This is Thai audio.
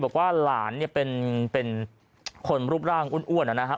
บอกว่าหลานเนี่ยเป็นเป็นคนรูปร่างอ้วนอ้วนนะฮะ